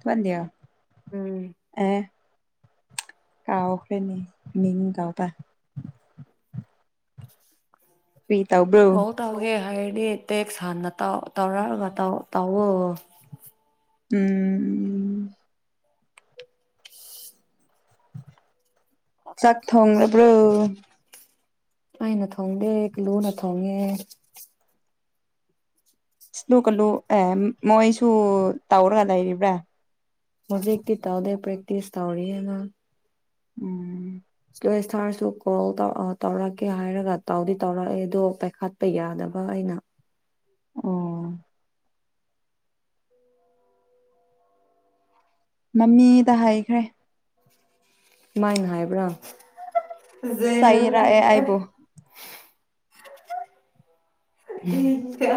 ꯊꯗꯌꯥ ꯎꯝ ꯑꯦ ꯀꯥꯎꯈ꯭ꯔꯦꯅꯤ ꯃꯤꯡ ꯀꯥꯎꯗ ꯀꯔꯤ ꯇꯧꯕ꯭ꯔꯣ ꯀꯣ ꯇ ꯍꯧꯒꯦ ꯍꯥꯏꯗꯤꯠ ꯇꯦꯛꯁ ꯍꯥꯟꯅꯧ ꯇꯧꯔꯛꯑꯒꯧ ꯇꯧꯋ ꯑ ꯎ ꯆꯥꯛ ꯊꯣꯡꯣꯡ꯭ꯔꯦꯕ꯭ꯔꯣ ꯑꯩꯅ ꯊꯣꯡꯗꯦ ꯀꯂꯨꯅ ꯊꯣꯡꯉꯦ ꯁꯂꯨ ꯀꯜꯂꯨ ꯑꯦ ꯃꯣꯏꯁꯨ ꯇꯧꯔꯒ ꯂꯩꯔꯤꯕ꯭ꯔꯥ ꯍꯧꯖꯤꯛ ꯀ ꯇꯗ ꯄ꯭ꯔꯦꯛꯇꯤꯁ ꯇꯧꯔꯤꯌꯦꯅ ꯎꯝ ꯑꯗꯣ ꯁꯥꯔꯁꯨ ꯀꯣꯜꯧ ꯇꯧꯔꯛꯀꯦ ꯍꯥꯏꯔꯒ ꯇꯥꯎꯗꯤ ꯇꯧꯔꯛꯑꯦ ꯑꯗꯣ ꯄꯥꯏꯈꯠꯄ ꯌꯥꯗꯕ [unintelligible] ꯑꯣ ꯃꯃꯤꯗ ꯍꯥꯏꯩꯈ꯭ꯔꯦ ꯁꯃꯥꯏꯅ ꯍꯥꯏꯕ꯭ꯔꯥ ꯍ ꯆꯩꯔꯛꯑꯦ ꯑꯩꯕꯨ ꯆ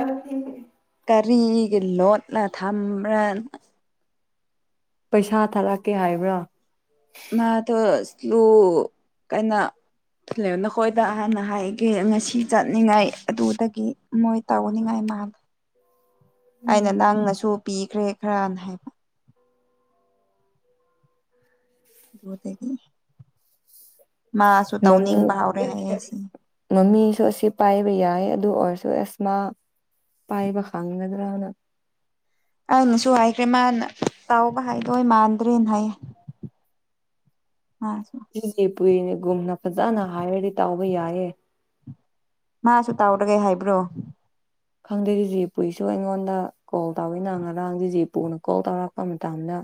ꯀꯔꯤꯒꯤ ꯂꯣꯠꯂ ꯊꯝꯕ꯭ꯔꯥꯅꯣ ꯄꯩꯁꯥ ꯊꯥꯂꯛꯀꯦ ꯍꯥꯏꯕ꯭ꯔꯥ ꯃꯥꯇ ꯁ꯭ꯂꯨ ꯀꯩꯅ ꯅꯈꯣꯏꯗ ꯍꯍꯥꯟꯅ ꯍꯥꯏꯒꯦ ꯉꯁꯤ ꯆꯠꯅꯤꯡꯉꯥꯏ ꯑꯗꯨꯗꯒꯤ ꯃꯣꯏ ꯇꯧꯅꯤꯡꯉꯥꯏ ꯃꯥꯜꯂꯦ ꯑꯩꯅ ꯅꯪꯅꯁꯨ ꯄꯤꯈ꯭ꯔꯦ ꯈꯔꯅ ꯍꯥꯏꯕ ꯑꯗꯨꯗꯒꯤ ꯃꯥꯁꯨ ꯃꯃ ꯇꯧꯅꯤꯡꯕ ꯍꯧꯔꯦ ꯍꯥꯏꯌꯦ ꯁꯤ ꯃꯃꯤꯁꯨ ꯑꯁꯤꯦ ꯄꯥꯏꯕ ꯌꯥ ꯑꯗꯨ ꯑꯣꯏꯔꯁꯨ ꯑꯦꯁꯃꯥ ꯄꯥꯏꯕ ꯈꯪꯒꯗ꯭ꯔꯅ ꯑꯩꯅꯁꯨ ꯍꯥꯏꯈ꯭ꯔꯦ ꯃꯥꯅ ꯇꯥꯎꯕ ꯍꯥꯏꯗꯏ ꯃꯥꯟꯗ꯭ꯔꯦꯅ ꯍꯥꯏꯌꯦ ꯍ ꯁ ꯀꯨꯏꯅꯦꯒꯨꯝꯅ ꯐꯖꯅ ꯍꯥꯏꯔꯗꯤ ꯇꯥꯎꯕ ꯌꯥꯏꯌꯦꯦ ꯃꯥꯁꯨ ꯇꯥꯎꯔꯒꯦ ꯍꯥꯏꯕ꯭ꯔꯣ ꯈꯪꯗꯦ ꯖꯤ ꯖꯤꯦꯄꯨꯁꯨ ꯑꯩꯉꯣꯟꯗ ꯀꯣꯜ ꯇꯧꯋꯤ ꯅꯪ ꯉꯔꯥꯡ ꯖꯤ ꯖꯤꯦꯄꯨꯅ ꯀꯣꯜ ꯇꯧꯔꯛꯄ ꯃꯇꯝꯗ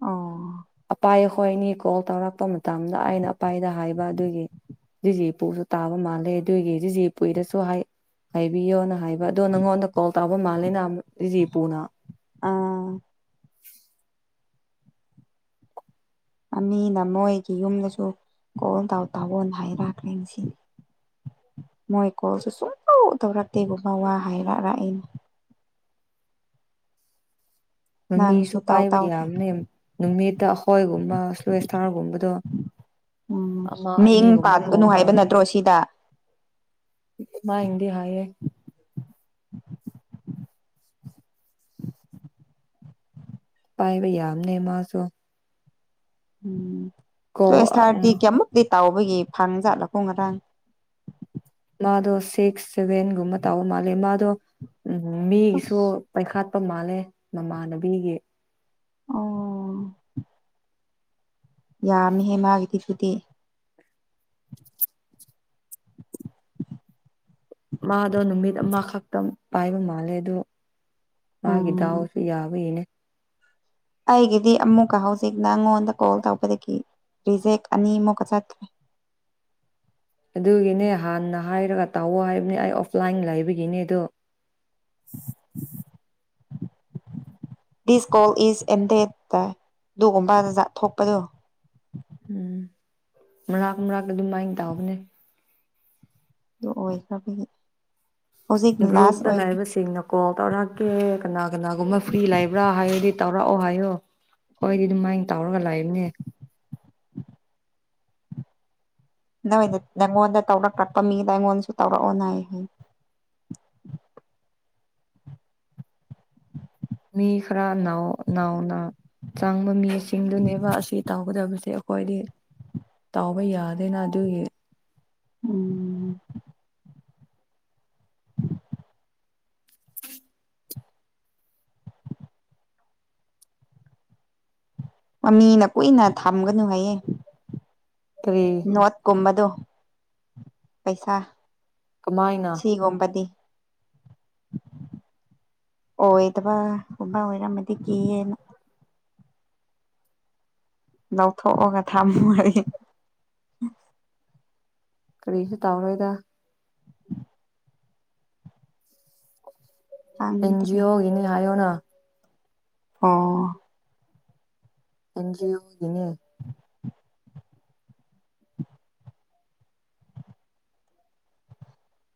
ꯑꯣ ꯑꯄꯥꯏ ꯍꯣꯏꯅꯤ ꯀꯣꯜ ꯇꯧꯔꯛꯄ ꯃꯇꯝꯗ ꯑꯩꯅ ꯑꯄꯥꯏꯗ ꯍꯥꯏꯕ ꯑꯗꯨꯒꯤ ꯖꯤꯖꯤꯄꯨꯁꯨ ꯇꯥꯕ ꯃꯥꯜꯂꯦ ꯑꯗꯨꯒꯤ ꯖꯤꯖꯤ ꯄꯨꯨꯏꯗꯁꯨ ꯍꯥꯏ ꯍꯥꯏꯕꯤꯌꯣꯅ ꯍꯥꯏꯕ ꯑꯗꯣ ꯅꯪꯉꯣꯟꯗ ꯀꯣꯜ ꯇꯥꯎꯧꯕ ꯃꯥꯜꯂꯦꯅ ꯔꯤ ꯄꯨꯅ ꯑꯥ ꯑꯅ ꯃꯣꯏꯒꯤ ꯌꯨꯝꯗꯁꯨ ꯀꯣꯜ ꯗꯥꯥꯎꯇꯥꯕꯣꯟ ꯅ ꯍꯥꯏꯥꯏꯔꯥꯛ ꯂꯦꯡꯁꯤꯅꯤ ꯃꯣꯏ ꯀꯣꯜꯁꯨ ꯁꯨꯡꯇꯧ ꯇꯧꯔꯛꯇꯦꯕꯣꯕꯥ ꯋꯥ ꯍꯥꯏꯔꯛ ꯂꯥꯛꯏꯅꯤ ꯅꯪꯁꯨ ꯃꯃꯤꯁꯨ ꯇꯥꯎ ꯄꯥꯏꯕ ꯇꯥꯎ ꯌꯥꯝꯅꯦ ꯅꯨꯃꯤꯠꯇ ꯑꯈꯣꯏꯒꯨꯝꯕ ꯁ꯭ꯂꯣꯁꯇꯥꯔꯒꯨꯝꯕꯗꯣ ꯎꯝ ꯃꯤꯡ ꯀꯣꯜ ꯄꯥꯟꯒꯅꯨ ꯍꯥꯏꯕ ꯅꯠꯇ꯭ꯔꯣ ꯁꯤꯗ ꯃꯥ ꯏꯟꯗꯤ ꯍꯥꯏꯌꯦꯦ [unintelligible] ꯄꯥꯏꯕ ꯌꯥꯝ ꯌꯥꯝꯅꯦ ꯃꯥꯁꯣ ꯎꯝ ꯁꯋꯁ ꯎꯝ ꯊꯔꯗꯤ ꯀꯌꯥꯃꯛ ꯇꯥꯎꯕꯒꯤ ꯐꯥꯡꯖꯥꯠꯂꯈ ꯉꯇꯥꯡ ꯃꯥꯗꯣ ꯁꯤꯛꯁ ꯁꯚꯦꯟꯒꯨꯝꯕ ꯇꯥꯕ ꯃꯥꯂꯦ ꯃꯥꯗꯣ ꯎ ꯃꯤꯁꯨ ꯑꯁ ꯄꯩꯈꯥ ꯆꯄ ꯃꯥꯜꯂꯦ ꯃꯃꯥꯟꯅꯕꯤꯒꯤ ꯑꯣ ꯌꯥꯝꯃꯦꯍꯦ ꯃꯥꯒꯤꯗꯤꯗꯨꯗꯤ ꯃꯥꯗꯣ ꯅꯨꯃꯤꯠ ꯑꯃꯈꯛꯇꯪ ꯄꯥꯏꯕ ꯃꯥꯜꯂꯦ ꯑꯗ ꯃꯥꯒꯤ ꯎꯝ ꯗꯎꯁꯨ ꯌꯥꯕ ꯌꯦꯅꯦ ꯑꯩꯒꯤꯗꯤ ꯑꯃꯨꯛꯀ ꯍꯧꯖꯤꯛ ꯅꯪꯉꯣꯟꯗ ꯀꯣꯜ ꯇꯧꯕꯗꯒꯤ ꯔꯤꯖꯦꯛ ꯑꯅꯤ ꯃꯛ ꯀꯆꯇ꯭ꯔ ꯑꯗꯨꯒꯤꯅꯦ ꯍꯥꯟꯅ ꯍꯥꯏꯔꯒ ꯇꯥꯑꯣ ꯍꯥꯏꯕꯅꯦ ꯑꯩ ꯑꯣꯐꯂꯥꯏꯟ ꯂꯩꯕꯒꯤꯅꯦ ꯑꯗꯨꯗ this call is ended ꯑꯗꯨꯒꯨꯝꯕ ꯊꯣꯛꯄꯗꯣ ꯎꯝ ꯃꯔꯥꯛ ꯃꯥꯛꯀ ꯑꯗꯨꯝ ꯃꯥꯏꯅ ꯇꯥꯕꯅꯦ ꯑꯗꯨ ꯑꯣꯏꯈꯕꯤ ꯒ꯭ꯔꯨꯞꯇ ꯂꯩꯕꯁꯤꯡꯅ ꯀꯣꯜ ꯇꯧꯔꯛꯀꯦ ꯀꯅꯥ ꯀꯅꯥꯒꯨꯝꯕ ꯐ꯭ꯔꯤ ꯂꯩꯕ꯭ꯔꯥ ꯍꯥꯏꯌꯣꯗꯤ ꯇꯧꯔꯛꯑꯣ ꯍꯥꯏꯌꯣ ꯍꯣꯏꯗꯤ ꯑꯗꯨꯃꯥꯏꯅ ꯇꯧꯔꯒ ꯂꯥꯛꯕꯅꯦ [inaudible] ꯅꯣꯏꯗ ꯅꯉꯣꯟꯗ ꯇꯧꯔꯛꯂꯛꯄ ꯃꯤꯗ ꯑꯩꯉꯣꯟꯗꯁꯨ ꯇꯧꯔꯛꯑꯣ ꯅꯥꯏ ꯍꯥꯏ [inaudible] ꯃꯤ ꯈꯔ ꯅꯥꯎꯅ ꯆꯪꯕ ꯃꯤꯁꯤꯡꯗꯨꯅꯦꯕ ꯑꯁꯤ ꯇꯧꯒꯗꯕ ꯑꯩꯈꯣꯏꯗꯤ ꯇꯥꯎꯕ ꯌꯥꯗꯦꯅ ꯑꯗꯨꯒꯤ ꯎꯝ [inaudible] ꯎꯝ ꯃꯤꯅ ꯀꯨꯏꯅ ꯊꯝꯒꯅꯨ ꯍꯌꯦ ꯀꯔꯤ ꯅꯣꯠꯀꯨꯝꯕꯗꯣ ꯄꯩꯁꯥ ꯀꯃꯥꯏꯅ ꯁꯤꯒꯨꯝꯕꯗꯤ [inaudible] ꯑꯣꯗꯕ ꯎꯕ ꯑꯣꯏꯔ ꯃ ꯀꯅ ꯂꯧꯊꯣꯛꯑꯒ ꯊꯝꯃꯨꯒꯔꯤ ꯀꯔꯤꯁ ꯇꯥꯎꯔ ꯑꯣꯏꯗ ꯑꯦꯟꯖꯤ ꯈꯪꯗ꯭ꯔꯦ ꯑꯣ ꯏꯅꯤ ꯍꯥꯏꯌꯣꯅ ꯑꯥ ꯅꯟꯔꯤ ꯍꯒꯅꯤ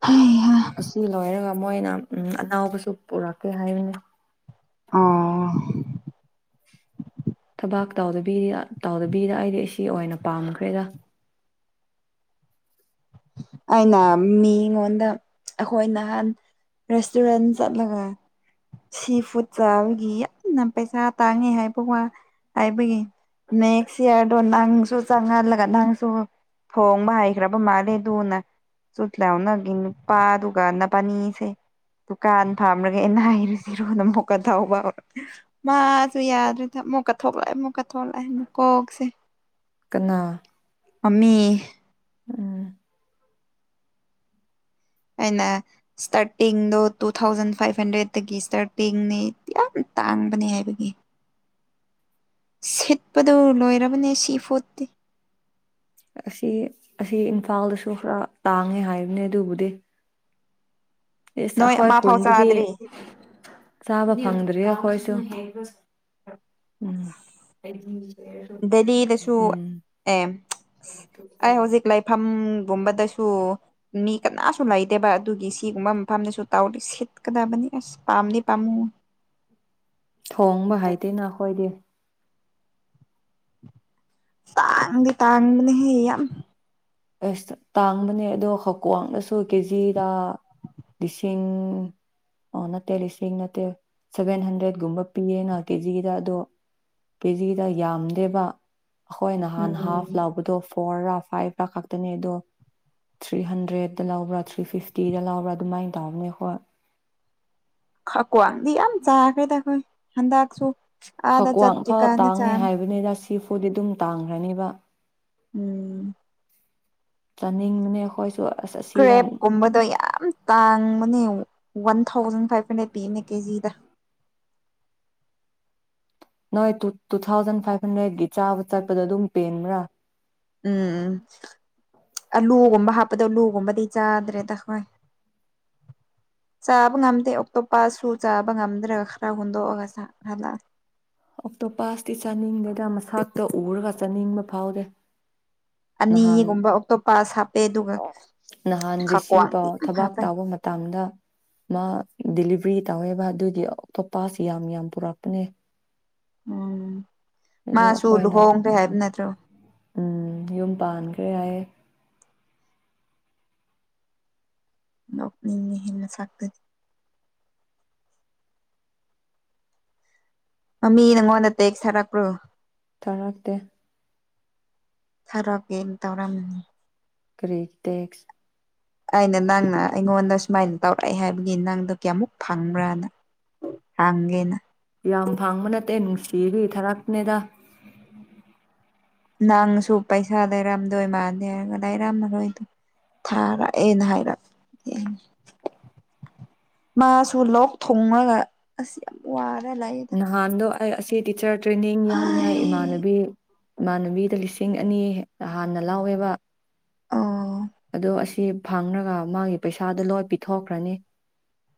ꯎꯝ ꯑꯁꯤ ꯂꯣꯏꯔꯒ ꯃꯣꯏꯅ ꯎ ꯑꯅꯥꯎꯕꯁꯨ ꯄꯨꯔꯛꯀꯦ ꯍꯥꯏꯕꯅꯤ ꯑꯣ ꯊꯕꯥꯛ ꯇꯗꯕꯤ ꯇꯗꯕꯤꯔ ꯑꯩꯗꯤ ꯏ ꯑꯣꯏꯅ ꯄꯥꯝꯃꯈ꯭ꯔꯦꯗ ꯑꯩꯅ ꯃꯤꯉꯣꯟꯗ ꯑꯩꯈꯣꯏ ꯅꯍꯥꯟ ꯔꯦꯁꯇꯨꯔꯦꯟ ꯆꯠꯂꯒ ꯁꯤ ꯐꯨꯗ ꯆꯥꯕꯒꯤ ꯌꯥꯝꯅ ꯄꯩꯁꯥ ꯇꯥꯡꯉꯦ ꯍꯥꯏꯕ ꯋꯥ ꯍꯥꯏꯕꯒꯤ ꯅꯦꯛꯁ ꯏꯌꯥꯔꯗꯣ ꯅꯪꯁꯨ ꯆꯪꯍꯜꯂꯒ ꯅꯪꯁꯨ ꯊꯣꯡꯕ ꯍꯩꯈ꯭ꯔꯕ ꯃꯥꯜꯂꯤꯦ ꯑꯗꯨꯅ ꯁꯨꯠ ꯂꯎꯅꯒꯤ ꯅꯨꯄꯥ ꯑꯗꯨꯒ ꯅꯄꯥꯅꯤꯁꯦ ꯗꯨꯀꯥꯟ ꯐꯥꯝꯂꯒꯦ ꯑꯩꯅ ꯍꯔꯤꯨꯁꯤꯔꯣ ꯅ ꯑꯃꯨꯛꯀ ꯊꯥꯎꯕ ꯃꯥꯁꯨ ꯌꯥꯗ꯭ꯔꯦ ꯊ ꯃꯀꯥ ꯊꯣꯛꯛꯂꯏ ꯃꯀꯥ ꯊꯣꯛꯂꯑ ꯀꯣꯁꯦ ꯀꯅꯥ ꯃꯃꯤ ꯎꯝ ꯑꯩꯅ ꯏꯁꯇꯥꯔꯇꯤꯡꯗꯣ ꯇꯨ ꯊꯥꯎꯖꯟ ꯐꯥꯏꯚ ꯍꯟꯗ꯭ꯔꯦꯗꯒꯤ ꯏꯁꯇꯥꯔꯇꯤꯡꯅꯤ ꯌꯥꯝ ꯇꯥꯟꯕꯅꯤ ꯍꯥꯏꯕꯒꯤ ꯁꯤꯠꯄꯗꯨ ꯂꯣꯏꯔꯕꯅꯦ ꯁꯤ ꯐꯣꯠꯇꯦ ꯑꯁꯤ ꯑꯁꯤ ꯏꯝꯐꯥꯜꯗꯁꯨ ꯈꯔ ꯇꯥꯡꯉꯦ ꯍꯥꯏꯕꯅꯦ ꯑꯗꯨꯕꯨꯗꯤ ꯑꯦꯁ ꯅꯣꯏ ꯑꯩꯈꯣꯏ ꯑꯃ ꯐꯥꯎ ꯈꯨꯟꯗꯗꯤ ꯆꯥꯗ꯭ꯔꯤ ꯆꯥꯕ ꯐꯪꯗ꯭ꯔꯤ ꯍꯣꯏꯁꯨ [inaudible] ꯗꯦꯜꯂꯤꯗꯁꯨ ꯎꯝ ꯑꯦ ꯑꯩ ꯍꯧꯖꯤꯛ ꯂꯩꯐꯝꯒꯨꯝꯕꯗ ꯁ ꯃꯤ ꯀꯅꯥꯁꯨ ꯂꯩꯗꯦꯕ ꯑꯗꯨꯒꯤ ꯁꯤꯒꯨꯝꯕ ꯃꯐꯝꯗꯁꯨ ꯇꯥꯎꯗꯤ ꯁꯤꯠꯀꯗꯕꯅꯤ ꯑꯁ ꯄꯝꯗꯤ ꯄꯝ ꯊꯣꯡꯕ ꯍꯥꯏꯗꯦ ꯅꯈꯣꯏꯗꯤ ꯇꯥꯡ ꯇꯥꯡꯅꯦ ꯍ ꯌꯥꯝ ꯌꯥꯝ ꯑꯁ ꯇꯥꯡꯕꯅꯦ ꯑꯗꯣ ꯍꯀ꯭ꯋꯥꯡꯗꯁꯨ ꯀꯦꯖꯤꯗ ꯂꯤꯁꯤꯡ ꯑꯣ ꯅꯠꯇꯦ ꯂꯤꯁꯤꯡ ꯅꯠꯇꯦ ꯁꯚꯦꯟ ꯍꯟꯗ꯭ꯔꯦꯠꯀꯨꯝꯕ ꯄꯤꯌꯦꯅ ꯀꯦꯖꯤꯗ ꯑꯗꯣ ꯄꯦꯖꯤꯗ ꯌꯥꯝꯗꯦꯕ ꯑꯩꯈꯣꯏ ꯅꯍꯥꯟ ꯎꯝ ꯍꯥꯐ ꯂꯕꯗꯣ ꯐꯣꯔꯔꯥ ꯐꯥꯏꯚꯔꯥ ꯈꯛꯇꯅꯦ ꯑꯗꯣ ꯊ꯭ꯔꯤ ꯍꯟꯗ꯭ꯔꯦꯗꯠꯇ ꯂꯧꯕ꯭ꯔꯥ ꯊ꯭ꯔꯤ ꯐꯤꯐꯇꯤꯗ ꯂꯧꯕ꯭ꯔꯥ ꯑꯗꯨꯃꯥꯏꯅ ꯇꯧꯅꯦ ꯍꯣꯏ ꯀ꯭ꯋꯥꯡꯗꯤ ꯌꯥꯝ ꯆꯥꯈ꯭ꯔꯦꯗ ꯑꯩꯈꯣꯏ ꯍꯟꯗꯛꯁꯨ ꯑꯥꯗ ꯍꯀ꯭ꯋꯥꯡ ꯐꯥꯎ ꯆꯠꯇ꯭ꯔꯤꯀꯥꯟꯗ ꯇꯥꯡꯉꯦ ꯆꯥꯅꯤ ꯍꯥꯏꯕꯅꯤꯗ ꯁꯤꯐꯥꯎꯗꯤ ꯑꯗꯨꯝ ꯇꯥꯡꯈ꯭ꯔꯅꯤꯕ ꯎꯝ ꯆꯥꯅꯤꯡꯕꯅꯦ ꯑꯩꯈꯣꯏꯁꯨ ꯑꯁ ꯑꯁꯤꯗ ꯀ꯭ꯔꯦꯞ ꯀꯨꯝꯕꯗꯣ ꯌꯥꯝ ꯇꯥꯡꯕꯅꯦ ꯋꯥꯟ ꯊꯥꯎꯖꯟ ꯐꯥꯏꯚ ꯍꯟꯗ꯭ꯔꯦꯠ ꯄꯤꯅꯦ ꯀꯦꯖꯤꯗ ꯅꯣꯏ ꯇꯨ ꯊꯥꯎꯖꯟ ꯐꯥꯏꯚ ꯍꯟꯗ꯭ꯔꯦꯗꯀꯤ ꯆꯥꯕ ꯆꯠꯄꯗ ꯑꯗꯨꯝ ꯄꯦꯟꯕ꯭ꯔꯥ ꯎꯝ ꯎꯝ ꯑꯂꯨꯒꯨꯝꯕ ꯍꯥꯞꯄꯗꯣ ꯑꯂꯨ ꯒꯨꯝꯕꯗꯤ ꯆꯥꯗ꯭ꯔꯦꯗꯈꯣꯏ ꯆꯥꯕ ꯉꯝꯗꯦ ꯑꯣꯛꯇꯣꯞꯄꯥꯥꯁꯨ ꯆꯥꯕ ꯉꯝꯗ꯭ꯔꯒ ꯈꯔ ꯍꯨꯟꯗꯣꯛꯑꯒ ꯍꯜꯂꯛ ꯑꯣꯛꯇꯣ ꯄꯥꯁꯇꯤ ꯆꯥꯅꯤꯡꯗꯦꯗ ꯃꯁꯇ ꯎꯔꯒ ꯆꯥꯅꯤꯡꯕ ꯐꯥꯎꯗꯦ ꯅꯍꯥꯟ ꯑꯅꯤꯒꯨꯝꯕ ꯑꯣꯛꯇꯣꯄꯥꯥꯁ ꯍꯥꯞꯄꯦ ꯑꯗꯨꯒ ꯅꯍꯥꯟꯁꯦ ꯁꯤ ꯈꯥꯀ꯭ꯋꯥꯡꯗꯤ ꯄꯥꯎ ꯌꯥꯝ ꯊꯕꯥꯛ ꯍꯥꯞꯄꯦ ꯇꯥꯎꯕ ꯃꯇꯝꯗ ꯃꯥ ꯗꯤꯂꯤꯚꯔꯤ ꯇꯧꯋꯦꯕ ꯑꯗꯨꯏꯗꯤ ꯑꯇꯣꯞꯄꯁꯤ ꯌꯥꯝ ꯌꯥꯝ ꯄꯨꯔꯛꯄꯅꯦ ꯎꯝ ꯑ ꯃꯥꯁꯨ ꯑꯩꯈꯣꯏꯅ ꯂꯨꯍꯣꯡꯈ꯭ꯔꯦ ꯍꯥꯏꯕ ꯅꯠꯇ꯭ꯔꯣ ꯎꯝ ꯌꯨꯝ ꯄꯥꯟꯈ꯭ꯔꯦ ꯍꯥꯏ ꯅꯣꯛꯅꯤꯡꯅ ꯍꯦꯟꯅ ꯁꯥꯛꯇꯅꯤ ꯃꯃꯤ ꯅꯪꯉꯣꯟꯗ ꯇꯦꯛ ꯁꯥꯔꯛꯄ꯭ꯔꯣ ꯊꯥꯔꯛꯇꯦ ꯊꯔꯦꯜ ꯇꯧꯔꯝꯅꯤ ꯀꯔꯤꯇꯦꯛꯦꯛꯁ ꯑꯩꯅ ꯅꯪꯅ ꯑꯩꯉꯣꯟꯗ ꯁꯨꯃꯥꯏꯅ ꯇꯧꯔꯛꯑꯦ ꯍꯥꯏꯕꯒꯤ ꯅꯪꯗꯣ ꯀꯌꯥꯃꯨꯛ ꯐꯪꯕ꯭ꯔꯥꯅ ꯍꯦꯅ ꯌꯥꯝ ꯐꯥꯡꯕ ꯅꯠꯇꯦ ꯅꯨꯡꯁꯤꯔꯤ ꯊꯔꯛꯅꯦꯗ ꯅꯪꯁꯨ ꯄꯩꯁꯥꯗꯔꯝꯗꯣꯏ ꯃꯥꯟꯗꯦ ꯍꯥꯏꯔꯒ ꯂꯩꯔꯝꯃꯔꯣꯏꯗꯣ ꯊꯥꯔ ꯑꯅ ꯍꯥꯏꯔ ꯃꯥꯁꯨ ꯂꯣꯛ ꯊꯣꯉꯒ ꯑꯁꯤ ꯌꯥꯝ ꯋꯥꯔꯦ ꯅꯍꯥꯟꯗꯣ ꯑꯩ ꯑꯁꯤ ꯇꯤꯆꯔ ꯇ꯭ꯔꯦꯅꯤꯡ ꯌꯥꯎꯅꯤꯡꯉꯥꯏ ꯍꯥꯏ ꯏꯃꯥꯟꯅꯕꯤ ꯏꯃꯥꯟꯅꯕꯤꯗ ꯂꯤꯁꯤꯡ ꯑꯅꯤ ꯍꯥꯟꯅ ꯂꯥꯎꯋꯦꯕ ꯑ ꯑꯗꯣ ꯑꯁꯤ ꯐꯪꯔꯒ ꯃꯥꯒꯤ ꯄꯩꯁꯥꯗꯣ ꯂꯣꯏ ꯄꯤꯊꯣꯛꯈ꯭ꯔꯅꯤ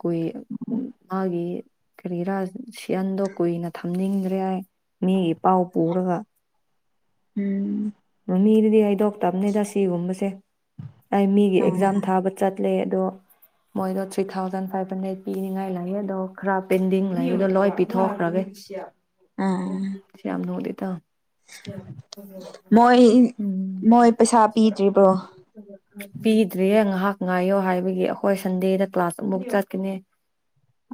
ꯀꯨꯏ ꯃꯥꯒꯤ ꯀꯔꯤꯒꯤꯔꯥ ꯁꯤꯌꯥꯟꯗꯣ ꯀꯨꯏꯅ ꯊꯝꯅꯤꯡꯗ ꯃꯤꯒꯤ ꯄꯥꯎꯥꯎ ꯄꯔꯒ ꯎꯝ ꯃꯤꯗꯨꯗꯤ ꯍꯩꯗꯣꯛꯇꯕꯅꯤꯗ ꯁꯤꯒꯨꯝꯕꯁꯦ ꯑꯩ ꯃꯤꯒꯤ ꯑꯦꯛꯖꯥꯝ ꯎꯝ ꯊꯥꯕ ꯆꯠꯂꯦ ꯑꯗꯨꯣ ꯃꯣꯏꯗꯣ ꯊ꯭ꯔꯤ ꯊꯥꯎꯖꯟ ꯐꯥꯏꯚ ꯍꯟꯗ꯭ꯔꯦꯗ ꯄꯤꯅꯤꯡꯉꯥꯏ ꯂꯩꯑꯦ ꯑꯗꯣ ꯈꯔ ꯄꯦꯟꯗꯤꯡ ꯂꯩ ꯑꯗꯣ ꯂꯣꯏ ꯄꯤꯊꯣꯛꯈ꯭ꯔꯒꯦ ꯎꯝ ꯁꯌꯥꯝꯅꯗ ꯇ ꯑꯩ ꯃꯣꯏ ꯄꯩꯁꯥ ꯄꯤꯗ꯭ꯔꯤꯕ꯭ꯔꯣ ꯄꯤꯗ꯭ꯔꯤꯌꯦ ꯉꯥꯏꯍꯥꯛ ꯉꯥꯏꯌꯣ ꯍꯥꯏꯕꯒꯤ ꯑꯩꯈꯣꯏ ꯁꯟꯗꯦꯗ ꯀ꯭ꯂꯥꯁ ꯑꯃꯐꯥꯎ ꯆꯠꯀꯅꯦ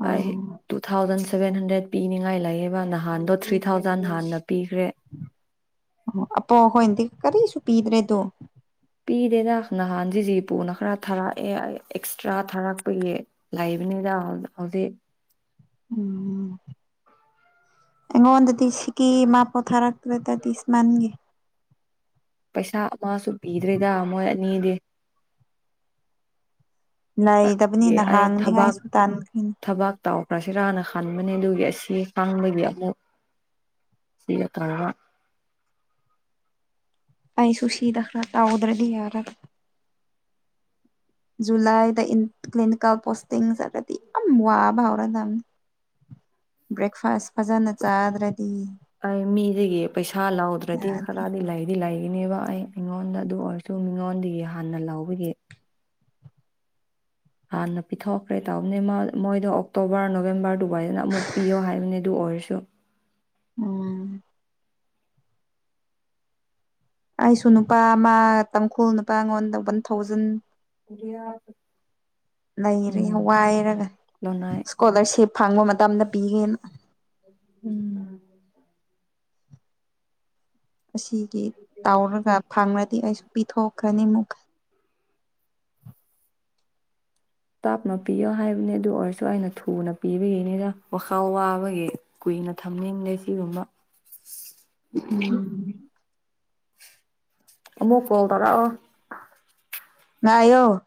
ꯎꯝ ꯇꯨ ꯊꯥꯎꯖꯟ ꯁꯚꯦꯟ ꯍꯟꯗ꯭ꯔꯦꯗ ꯄꯤꯅꯤꯡꯉꯥꯏ ꯂꯩꯑꯦꯕ ꯅꯍꯥꯟꯗꯣ ꯊ꯭ꯔꯤ ꯊꯥꯎꯖꯟ ꯍꯥꯟꯅ ꯄꯤꯈ꯭ꯔꯦ ꯑꯄꯣ ꯍꯣꯏꯅꯗꯤ ꯀꯔꯤꯁꯨ ꯄꯤꯗ꯭ꯔꯦꯗꯣ ꯄꯤꯗꯦꯗ ꯅꯍꯥꯟ ꯁꯤꯁꯤ ꯄꯨꯨꯅ ꯈꯔ ꯊꯥꯔꯛꯑꯦ ꯑꯦꯛꯁꯇ꯭ꯔꯥ ꯊꯥꯔꯛꯄꯒꯤ ꯂꯩꯕꯅꯦ ꯗꯥ ꯑꯗꯨꯗꯤ ꯎꯝ ꯑꯩꯉꯣꯟꯗꯗꯤ ꯁꯤꯀꯤ ꯃꯥ ꯄꯣꯊꯥꯔꯛꯇ꯭ꯔꯦꯗ ꯇꯤꯁꯃꯥꯟꯒꯦ ꯄꯩꯁꯥ ꯑꯃꯁꯨ ꯄꯤꯗ꯭ꯔꯦꯗ ꯃꯣꯏ ꯑꯅꯤꯗꯤ ꯂꯩꯇꯕꯅꯤꯅ ꯑꯩ ꯊꯕꯥꯛ ꯍꯥꯡꯅꯤꯉꯥꯏꯁꯨ ꯇꯥꯟꯈ꯭ꯔꯤꯅꯤ ꯊꯕꯥꯛ ꯇꯥꯎ ꯥꯁꯤ ꯔꯥꯅ ꯍꯟꯕꯅꯦ ꯑꯗꯨꯒꯤ ꯑꯁꯤ ꯀꯥꯡꯕꯗꯒꯤ ꯑꯃꯨꯛ ꯁꯤꯒ ꯀ [inaudible] ꯇꯥꯏꯁꯨꯨꯁꯤꯗ ꯈꯔ ꯇꯥꯎꯗ꯭ꯔꯗꯤ ꯌꯥꯔꯒ ꯖꯨꯂꯥꯏꯗ ꯀ꯭ꯅꯤꯀꯦꯜ ꯄꯣꯁꯗꯤ ꯌꯥꯝ ꯋꯥꯕꯥꯎꯔ ꯭ꯔꯦꯛꯦꯛꯐꯥꯁ ꯐꯖꯥꯅ ꯆꯗ꯭ꯔꯦ ꯑꯩ ꯃꯤꯁꯤꯗꯒꯤ ꯄꯩꯁꯥ ꯂꯧꯥꯎꯗ꯭ꯔꯗꯤ ꯌꯥꯗꯦ ꯈꯔꯗꯤ ꯂꯩꯗꯤ ꯂꯥꯏ ꯅꯦꯕ ꯑꯩ ꯑꯩꯉꯣꯟꯗ ꯑꯗꯨ ꯑꯣꯏꯔꯁꯨ ꯃꯤꯉꯣꯟꯗꯒꯤ ꯍꯥꯟꯅ ꯂꯧꯕꯒꯤ ꯍꯥꯟꯅ ꯄꯤꯊꯣꯛꯈ꯭ꯔꯦ ꯇꯧꯕꯅꯦ ꯃꯣꯏꯗꯣ ꯑꯣꯛꯇꯣꯕꯔ ꯅꯣꯕꯦꯝꯕꯔ ꯗꯨꯕꯥꯏꯗꯅ ꯑꯃꯨꯛ ꯄꯤꯌꯣ ꯍꯥꯏꯕꯅꯤ ꯑꯗꯨ ꯑꯣꯏꯁꯨ ꯑꯣ ꯑꯩꯁꯨ ꯅꯨꯄꯥ ꯃꯥ ꯇꯥꯡꯈꯨꯜ ꯅꯨꯄꯥ ꯑꯩꯉꯣꯟꯗ ꯋꯥꯟ ꯊꯥꯎꯖꯟ ꯂꯩꯔꯦ ꯎꯝ ꯋꯥꯏꯔꯒ ꯂꯅꯥꯏ ꯏꯁꯀꯣꯂꯔꯁꯤꯞ ꯐꯥꯡꯕ ꯃꯇꯝꯗ ꯄꯤꯒꯦꯅ ꯎꯝ ꯑꯁꯤꯒꯤ ꯇꯥꯎꯔꯒ ꯐꯪꯂꯪꯂꯗꯤ ꯑꯩꯁꯨ ꯄꯤꯊꯣꯛꯈ꯭ꯔꯅꯤꯃꯨꯛ ꯇꯥꯞꯅ ꯄꯤꯌꯣ ꯍꯥꯏꯕꯅꯦ ꯑꯗꯨ ꯑꯣꯏꯔꯁꯨ ꯑ ꯅ ꯊꯨꯅ ꯄꯤꯕꯒꯤꯅꯤꯅ ꯋꯥꯈꯥꯎ ꯋꯥꯕꯒꯤ ꯀꯨꯏꯅ ꯊꯝꯅꯤꯡꯗꯦ ꯁꯤꯒꯨꯝꯕ ꯎꯝ ꯃꯨ ꯀꯣꯜ ꯇꯔꯥꯑꯣ ꯉꯥꯏꯑꯣ